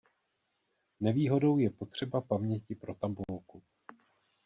Nevýhodou je potřeba paměti pro tabulku.